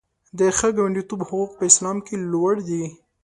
د ښه ګاونډیتوب حقوق په اسلام کې لوړ دي.